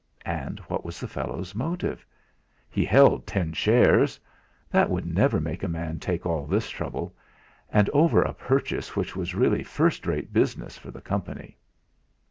And what was the fellow's motive? He held ten shares! That would never make a man take all this trouble, and over a purchase which was really first rate business for the Company.